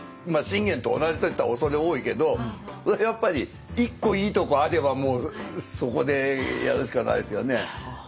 信玄と同じと言ったら畏れ多いけどそれはやっぱり１個いいとこあればそこでやるしかないですよね。